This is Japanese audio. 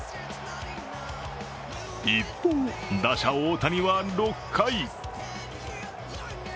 一方、打者・大谷は６回。